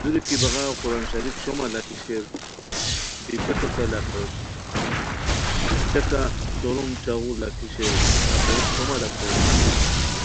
دوری کی بغاؤ قرآن شریف شومہ لاکھی شیر ہتو ٹیکہ لاکھوس، ٹیکہ سوروم چاخور لاکھی شیر ہتو شومہ لاکھوس